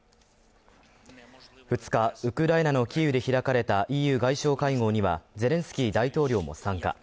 ２日、ウクライナのキーウで開かれたＥＵ外相会合にはゼレンスキー大統領も参加。